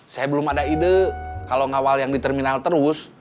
saya belum ada ide kalau ngawal yang di terminal terus